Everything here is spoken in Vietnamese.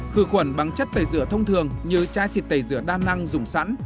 khử khuẩn bằng chất tẩy rửa thông thường như chai xịt tẩy rửa đa năng dùng sẵn